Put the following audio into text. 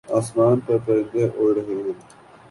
آسمان پر پرندے اڑ رہے ہیں